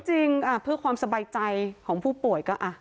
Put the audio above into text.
จริงเพื่อความสบายใจของผู้ป่วยก็